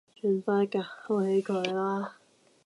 盡快搞起佢啦